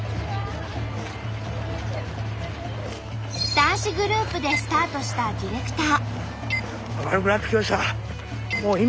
男子グループでスタートしたディレクター。